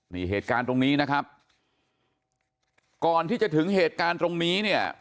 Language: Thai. นี่เหตุการณ์ตรงนี้นะครับก่อนที่จะถึงเหตุการณ์ตรงนี้เนี่ย